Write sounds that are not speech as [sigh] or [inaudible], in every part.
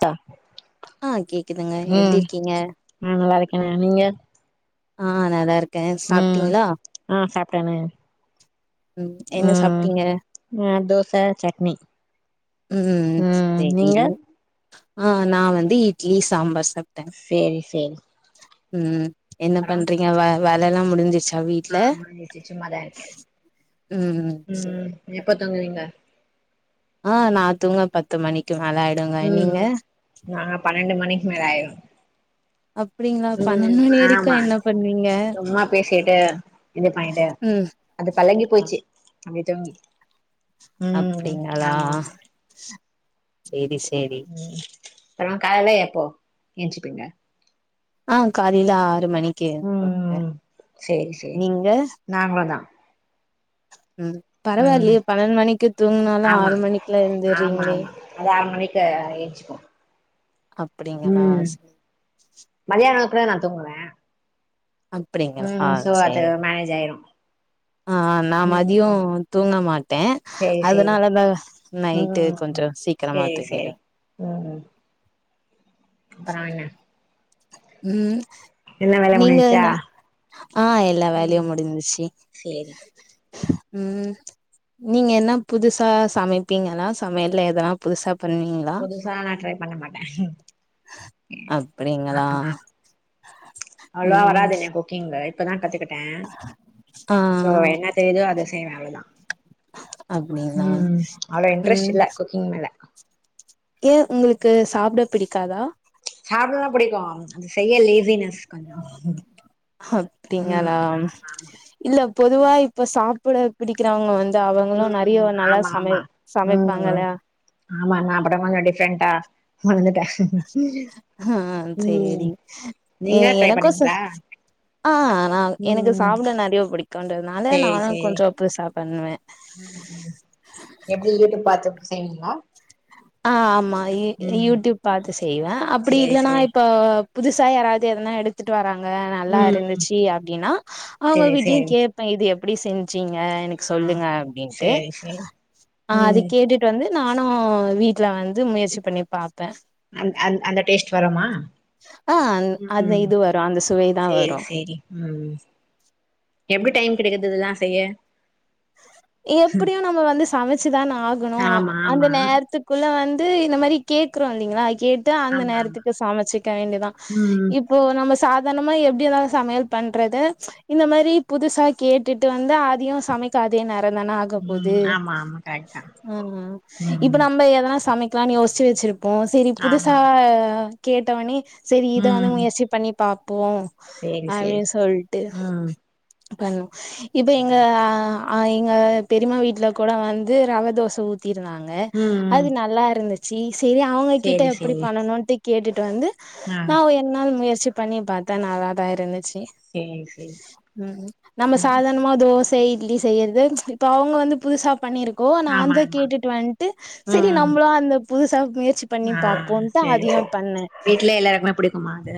த ஆ கேக்குதுங்க எப்டி இருக்கீங்க நா நல்லா இருக்கனே நீங்க ஆ நல்லா இருக்க ம் சாப்ட்டீங்களா ஆ சாப்ட்டனே ம் என்ன சாப்ட்டீங்க ஆ தோச சட்னி ம் சேரி ஆ நா வந்து இட்லி சாம்பார் சாப் சேரி சேரி ம் என்ன அப்றோ பண்றீங்க வே வேலல்லா முடிஞ்சிச் சா வீட்ல ஆ முடிஞ்சிச்சு சும்மாதா இருக்கே ம் ம் செ எப்ப தூங்குவீங்க ஆ நா தூங்க பத்து மணிக்கி மேல ஆ ம் ம் நாங்க பன்னெண்டு மணிக்கு மேல ஆய்ரு அப்டிங்களா ம் பன்னெண்டு மணி வரைக்கு ஆமா என்ன பண்ணுவீங்க சும்மா பேசிட்டு இது பண்ணிட்டு ம் அது பழகி அ போயிச்சு அப்டி தூங்கி ம் அப்டிங்களா ஆமா ஆமா சேரி சேரி [unintelligible] கால்ல எப்போ ஏன்ச்சிப்பிங்க ஆ காலயில ஆறு மணிக்கி ம் [inaudible] நீங்க நாங்கோதா ம் ம் பரவாயில்லயே பன்னெண் மணிக்கு தூங்குனாலு ஆமா ஆறு மணிக்லா ஆமா எந்துர்றீங்களே ஆமா அது ஆறு மணிக்கு ஏன்ச்சுக்குவோ அப்டிங்களா செ மதியானத்துல நா தூங்குவ அப்டிங்களா அது சேரி மேனேஜ் ஆய்ரு அ அ நா மதியோ தூங்க மாட்ட சேரி சேரி அதுனாலதா நைட்டு கொஞ்சொ சீக்கிரமா சேரி தூங்கிடு சேரி ம் ம் அப்பறொ என்ன ம் எல்லா வேலயு நீங்க முடிஞ்சா என்ன ஆ எல்லா வேல்யும் முடிஞ்ச்சு சேரி ம் நீங்க என்னா புதுசா சமப்பீங்களா சமயல்ல எதனா புதுசா பண்வீ புதுசா நா ட்ரை பண்ண மாட்ட அப்புடிங்களா அவ்ள்வா வராதுங்க குக்கிங்க்கு இப்பதா கத்துக்கிட்ட ஆ சோ என்ன தெரிதோ அத செய்வ அவ்ளதா அப்டிங்களா ம் அவ்ளோ இன்ட்ரெஸ்ட் ம் இல்ல குக்கிங் மேல ஏ உங்ளுக்கு சாப்ட பிடிக்காதா சாப்டலா புடிக்கு அது செய்ய லேசினஸ் கொஞ்சோ ம் அம் ஆமா ஆமா இல்ல பொதுவா இப்ப சாப்புட பிடிக்கிறவுங்க வந்து அவங்களு நிறியோ ம் நல்லா ஆமா சமை ஆமா சமைப்பாங்கல ம் ஆமா நா படமாங்க டிஃப்ரெண்ட்டா மளத்துட்ட ஆ சேரி ம் எ நீங்க ட்ரை எனக்கு ச பண்ணீங்ளா ஆ நா எனக்கு சாப்ட நிறியோ புடிக்குன்றத்னால சேரி நானு சேரி கொஞ்சோ புதுசா பண்வே ம் எப்டி யூட்யூப் பாத்து செய்வீங்ளா ஆ ஆமா ஈட் யூட்யூப் பாத்து செய்வ அப்புடி சேரி இல்லனா சேரி இப்ப புதுசா யாராவ்து எதனா எடுத்துட்டு வராங்க நல்லா ம் இருந்துச்சு அப்டின்னா அவுங்க சேரி வீட்யு சேரி கேப் ப இது எப்டி செஞ்சீங்க எனக்கு ஆ சொல்லுங்க அப்டின்ட்டு சேரி சேரி அ அது ம் கேட்டுட் டு வந்து நானு வீட்ல வந்து முயற்சி பண்ணி பாப்ப அந் அது அந்த டேஸ்ட் வருமா ஆ அந்த ம் இது வரு அந்த சுவைதா சேரி வரு சேரி ம் எப்டி டைம் கிடைக்கிது இதுல்லா செய்ய எப்புடியு நம்ம வந்து சமச்சுதான ஆகணு ஆமா அந்த ஆமா நேர்த்துக் குள்ள வந்து இந்த மாரி கேக்றோ இல்லிங்ளா கேட் டு அந்த ஆமா ஆமா நேர்த்துக்கு சமச்சிக்க வேண்டிதா ம் இப்போ நம்மோ சாப் தெனமு எப்டி இந்தாலு சமயல் பண்றது இந்த மாரி புதுசா கேட்டுட்டு வந்து அதயு சமைக் த அதே நேரந்தான ஆக போது ம் ஆமா ஆமா கரெக்ட் தா அ அ ம் இப் நம்ப எதனா சமக் க்லான் யோஸ்ச்சி வெச்சிருப்போ செரி ஆமா புதுசா கேட்டவொனே செரி இத வந்து ம் முயற்சி பண்ணி பாப்போ சேரி சேரி அப்டின் சொல்ட்டு ம் பண்ணு இப்ப எங்க சேரி அ எங்க பெரிமா வீட்ல கொட வந்து ரவ தோச ஊத்திருந்தாங்க ம் ம் அது நல்லார்ந்து சீ செரி அவ்ங்க கிட்ட சேரி எப்புடி சேரி பண்ணனுன்ட்டு கேட்டுட்டு வந்து ஆ நாவு எ நாள் முயற்சி பண்ணி பாத்தா நல்லாதா இருந்துச்சு சேரி சேரி ம் நம்ம ம் சாதாணமா தோச இட்லி செய்யற்து இப்ப அவுங்க வந்து புதுசா பண்ணிருக் கோ நா ஆமா அந்த ஆமா கேட்டுட்டு வந்ட்டு செரி ம் நம்ப்ளு அந்த புதுசாவ் முயற்சி பண்ணி பாப்போன்ட்டு அதுயு பண்ண லே எல்லாருக்குமே புடிக்குமா அது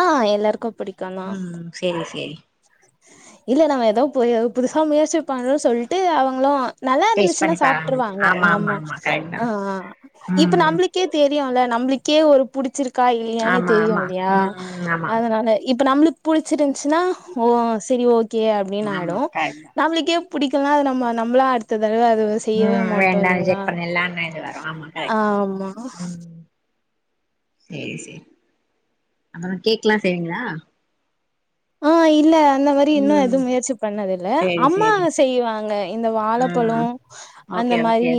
ஆ எல்லாருக்கு புடிக் ம் ம் சேரி சேரி இல்ல நம்ம எதோ பொயோ புதுசா முயற்சி பண்றோ சொல்ட்டு அவங்ளு டேஸ்ட் நல்லாருந்துச்சுன்னா பண்ணி பாருங்க சாப்ட்டுருவாங்க ஆமா கரெக்ட் தா அ அ இப்ப ம் நம்ப்ளுக் கே தெரியொல்ல நம்ப்ளுக்கே ஒரு புடிச்சிருக்கா இல்லியானு ஆமா தெரியு ஆமா இல்யா ம் ம் ஆமா அதனா நானு இப்ப நம்மளுக்கு புடிச்சிருந்துச்சுனா ஓ செரி ஓகே அப்டின்னு ஆமா ஆயிடு கரெக்ட் தா நம்மளுக்கே புடிக்கலனா அத நம்ம நம்மளா அடுத்த தடவ அது வசி ம் வேண்டானு ரீஜெக்ட் பண்ணில்லாணா மைண்ட் வரு ஆமா கரெக்ட் ஆமா ம் சேரி சேரி அப்பறோ கேக் ல்லா செய்வீங்களா ஆ இல்ல இந்த மாரி இன்னு ம் எதுவு முயற்சி பண்ணது இல்ல சேரி அம்மா சேரி செய்வாங்க இந்த வாழப்பழோ ம் அந்த ஓகே மாரி ஓகே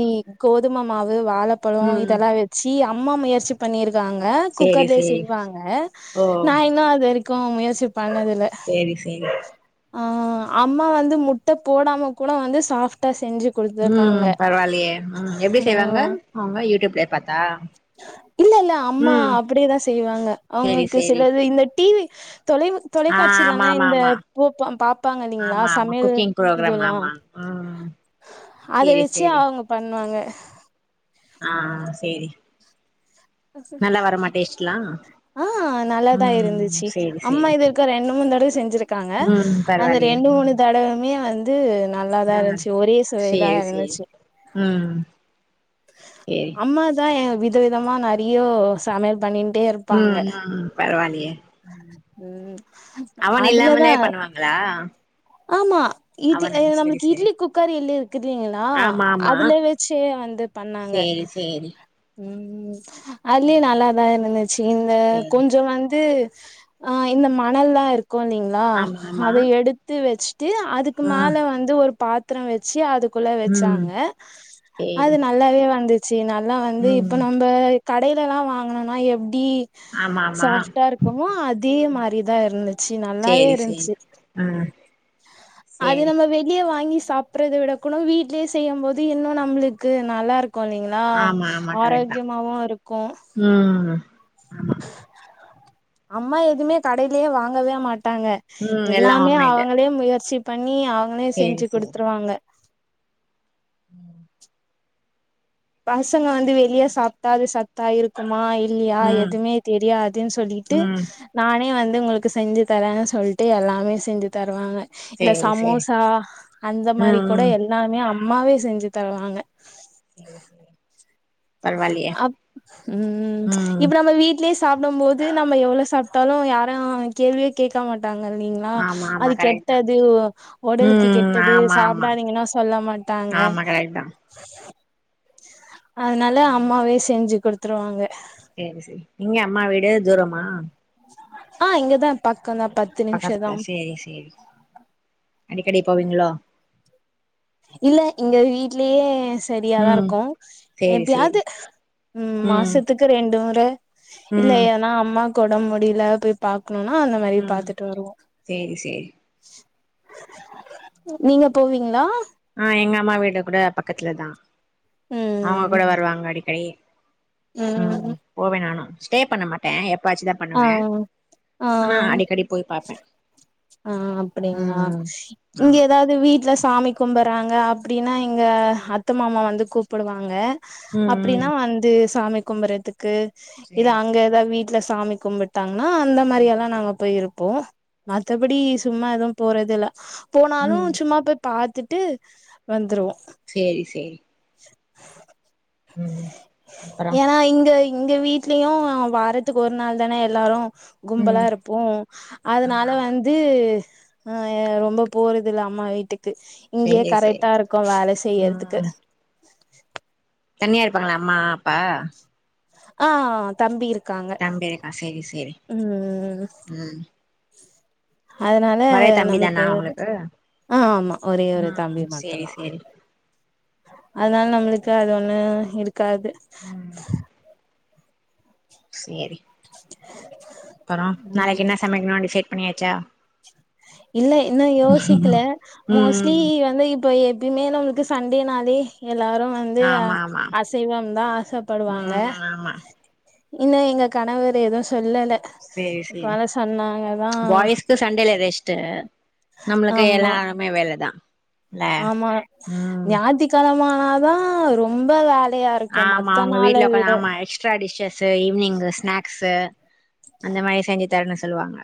கோதும மாவு வாழப்பழோ ம் இதெல்லா வச்சி அம்மா முயற்சி பண்ணிருக்காங்க சேரி குக்கர்லே சேரி செய்வாங்க ஓ நா இன்னு அது வரைக்கு முயற்சி பண்ணதில்ல சேரி சேரி ஆ அம்மா வந்து முட்ட போடாம கூட வந்து சாஃப்டா செஞ்சு குடுத்துருக்காங்க ம் பரவால்லியே ம் எப்டி ஆ செய்றாங்க அவுங்க யூடியூப்லய பாத் இல்ல இல்ல அம்மா அப்டியேதா செய்வாங்க சேரி அவுங்களுக்கு சேரி சிலது இந்த டிவி தொலைவு ஆ ஆமா தொலைக்காட்சிலல்லா ஆமா இந்த ஆமா போப் பாப்பாங்க இல்லைங்களா ஆமா ஆமா சமையல் குக்கிங் ப்ரோக்ராம் இதுவுல்லா ஆமா ம் அத சேரி வச்சு சேரி அவுங்க பண்ணுவாங்க ஆ சேரி நல்லா வரமா டேஸ்ட்லா ஆ நல்லாதா ம் இருந்துச்சி சேரி அம்மா சேரி இது இருக்க ரெண்டு மூணு தடவ செஞ்சிருக்காங்க ம் அந்த பரவாயில்லையே ரெண்டு ம் மூணு தடவுமே வந்து நல்லாதா ஆ இருந்துச்சு ஒரே சுவைதா சேரி சேரி இருந்துச்சு ம் சேரி அம்மா தா எ வித விதமா நெறையோ சமையல் பண்ணின்ட்டே இரு ம் ம் பரவால்ல யே ம் ம் அவன் அதுலதா இல்லாமலே பண்ணுவாங்களா ஆமா இது அவன் அ செரி நம்மளுக்கு செரி இட்லி குக்கர் இல்லு இருக்குது ல்லீங்களா ஆமா ஆமா அதுல வச்சே வந்து பண்ணாங்க சேரி சேரி ம் அதுலயே நல்லா தா இருந்துச்சி இந்த சேரி கொஞ்சோ வந்து ஆ இந்த மணல்லலா இருக்கு இல்லீங்களா ஆமா ஆமா அத எடுத்து வச்சுட்டு அது கு ஆ மேல வந்து ஒரு பாத் திர வச்சு அதுக்குள்ள ம் வச்சாங்க அது சேரி நல்லாவே வந்து சி நல்லா வந்து ம் இப்ப நம்ப கடைலலா வாங்குனோன்னா எப்டி ஆமா ஆமா சாஃப்டா இருக்குமோ அதே ம் மாரி தா இருந்துச்சு நல்லாவே இருஞ்சு ம் அது நம்ம வெளிய வாங்கி சாப் பறத விட கூடோ வீட்லயே செய்யுபோது இன்னு நம்மளுக்கு நல்லா இருக்கு இல்லைங் ளா ஆமா ஆமா கரெக்ட் தா ஆரோக்கியமாவு இருக்கு ம் அம்மா எதுமே கடைலயே வாங்கவே மாட்டாங்க ம் எல்லா எல்லாமே ஹோம்மேடு அவுங்களே முயற்சி பண்ணி அவுங்களே சேரி செஞ்சு குடுத்துருவாங்க ம் பசங்க வந்து வெளிய சாப்ட்டா அது சத் தா இருக்குமா இல்லயா ம் எதுமே தெரியாதுன் சொல்லிட்டு ம் நானே வந்து உங்களுக்கு செஞ்சு தரேனே சொல்ட்டு எல்லாமே செஞ்சு தருவாங்க இந்த சேரி சேரி சமோசா அந்த மாரி ம் கூட ம் எல்லாமே அம்மாவே செஞ்சு தருவாங்க செரி சேர் அப் ம் ம் இப்ப நம்ம வீட்லயே ஸ் சாப்டும் போது நம்ம எவ்ளோ சாப்புட்டாலு யாரு கேள்வியே கேக்க மாட்டாங்க இல்லிங்ளா ஆமா ஆமா அது கரெக்ட் தா கெட்டது ஒடலுக்கு ம் கெட்டது ஆமா ஆமா சாப்டாதீங்ககன்னா சொல்ல மாட்டாங்க ஆமா கரெக்ட் தா அதனால அம்மாவே செஞ்சு குடுத்துருவாங்க சேரி சேரி இங்க அம்மா வீடு தூரமா ஆ இங்கதான் பக்க தா பத் பக்கத்துல சேரி சேரி அடிக்கடி போவீங்களோ இல்ல இங்க வீட்லயேஸ் சரியாதா இருக்கு சேரி சேரி எப்பியாது ம் மாசத்துக்கு ரெண்டு முறை இல்ல ம் ஏன்னா அம்மாக்கு ஒடம்பு முடியல பேய் பாக்குனுன்னா அந்த மாரி ம் பாத்துட்டு வருவோ சேரி சேரி நீங்க போவீங்ளா ஆ எங்க அம்மா வீடு கூட பக்கத்துல தா அவுங்க ம் கூட வருவாங்க அடிக்கடி ம் போவே நானு ஸ்டே பண்ண மாட்டே டையோ எப்பாச்சு தா ஆ பண்ணுவே ஆனா ஆ அடிக்கடி போய் பாப்பே ஆ அப்டிங்ளா ம் இங்க ஆமா ஏதாது து வீட்ல சாமி கும்பறாங்க அப்டின்னா எங்க அத்த மாமா வந்து கூப்புடுவாங்க ம் அப்டின்னா ம் வந்து சாமி கும்பறதுக்கு இது சேரி அங்க சேரி ஏதா வீட்ல சாமி கும்புட்டாங்கன்னா அந்த மாரி ம் எல்லா நாங்க போய் இருப்போ மத்தபடி சும்மா எதும் போறதுல்ல போனாலு ம் சும்மா போய் பாத்துட்டு வந்துருவோ சேரி சேரி ம் அப்பறோ ஏனா இங்க எங்க வீட்லயு வாரத்துக்கு ஒரு நாள் தான எல்லாரு கும்பலா ம் இருப்போ ஆமா அதுனால ஆமா வந் து ஆ ரொம்ப போறது இல்ல அம்மா வீட்டுக்கு இங்கயே சேரி சேரி கரெக்ட்டா இருக்கு வேலை செய்யறதுக்கு ம் தனியா இருப்பாங்களா அம்மா அப்பா ஆ தம்பி இருக் தம்பி இருக்கா சேரி சேரி ம் ம் அதனால ஒரே தம்பி தானா நம்மளுக்கு எத உங்களுக்கு ஆ ஆமா ஒரே ஒரு தம்பி ம் மட்டு சேரி தா சேரி அதனால நம்மளுக்கு அது ஒண்ணு இருக்காது ம் சேரி [inaudible] அப்புற ம் நாளைக்கு என்ன சமைக்கணு டிசைட் பண்ணியாச்சா இல்ல இன்னு யோசிக்கல மோஸ்ட்லி ம் வந்து இப்ப எது இனிமேல் நம்ளுக்கு சண்டே நாளே எல்லாரு வந்து வந்து ஆமா ஆமா அசைவம் தா ஆசைப்படுவாங்க ம் ஆமா இன்ன எங்க கணவர் எதுவு சொல்லல வேலை சொன்னாங்கதா சோ சண்டேல ரெஸ்ட் நம்மளுக்கு ஆமா எல்லாருமே வேலைதா ல ம் கனமானாதா ரொம்ப வேலையா இருக் ஆமா அவங்க வீட்ல [unintelligible] ஆமா ice extra dishes evening snacks அந்த மாரி செஞ்சு தரன்னு சொல்லுவாங்க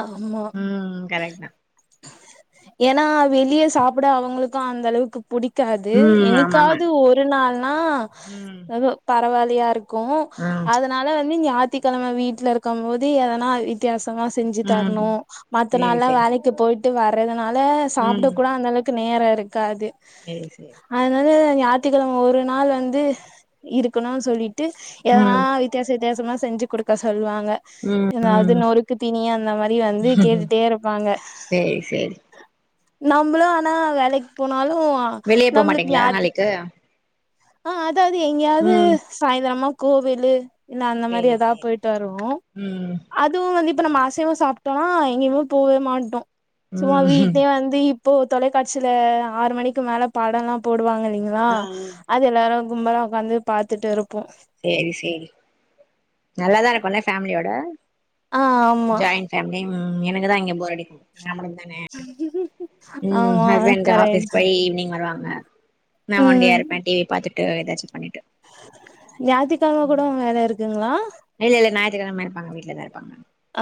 ஆமா ம் கரெக்ட் தா ஏனா வெளிய சாப்ட அவங்களுக்கு அந்த அளவுக்குப் புடிக்காது ம் ஆமா ஆமா என்க்காவது ஒரு நாள்னா ம் பரவால்லையா இருக் கு ம் அதனால வந்து ஞாத்திக்கிழம வீட்ல இருக்கும் போது எதனா வித்தியாசமா செஞ் ம் தர்ணு மத்த சேரி நாள்லா சேரி வேலைக் க்கு போயிட்டு வர்றதுனால ம் சாப்ட கூட அந்த அளவுக்கு நேர இருக்காது சேரி சேரி அதனால ஞாயித்துகிழம ஒரு நாள் வந்து இருக்கணுன்னு சொல்லிட்டு எதனா ம் வித்தியாச வித்தியாசமா செஞ்சு குடுக்க சொல்லுவாங்க ம் ஏதாவது ம் நொறுக்கு திணிய அந் அந்த மாரி வந்து கேட்டுட்டே இருப்பாங்க சேரி சேரி நம்ளு ஆனா வேலைக்கு போனாலு வெளிய போ நம்ளுக்கு மாட்டீங்களா ஞாயித்து நாளைக்கு ஆ அதாவது எங்கேயாவது ம் சாயந்திரமா கோவில்லு இன்ன அந்த மாதிரி சேரி ஏதா சேரி போயிட்டு வருவோ ம் அத் துவு வந்து இப்ப நம்ம அசைவோ சாப்ட்டோனா எங்கேயுமே போகவே மாட்டோ சும்மா ம் வீட்லேயே வந்து இப்போ தொலைக்காட்சியில ஆறு மணிக்கு மேல பாடல்லா போடுவாங்க இல்லைங்ளா ஆ அது எல்லாரு கும்பல உக்காந்து பாத்துட்டு இருப்போ சேரி சேரி நல்லாதா இருக்குல்ல ஃபேமிலியோட ஆ ஆமா ஜாயிண்ட் ஃபேமிலி ம் எனக்கு தா இங்க போர் அடிக்கு நா மட்டுந்தானே ம் ஆமா ஹஸ்பண்ட் ஆபீஸ் கரெக்ட் போய் ஈவினிங் வருவாங்க நா ஒன்டியா ம் இருப்பே டிவி பாத்துட் ட்டு ஏதாச்சு பண்ணிட்டு ஞாத்திக்கிழம கூட ம் வேல இருக்குங்ளா இல்ல இல்ல ஞாயித்துக்கிழம இருப்பாங்க வீட்ல தா இருப்பாங்க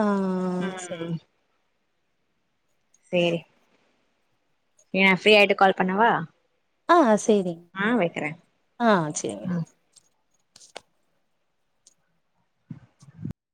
ஆ சேரி ம் சேரி ஏ ஃப்ரீ ஆயிட்டு கால் பண்ணவா ஆ சேரிங்க ம் வக்கறே ஆ சேரி ம்